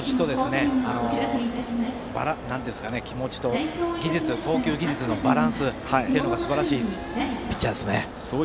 気持ちと投球技術のバランスがすばらしいピッチャーですよね。